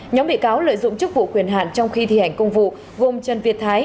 nhóm bị cáo lợi dụng chức vụ quyền hạn trong khi thi hành công vụ gồm trần việt thái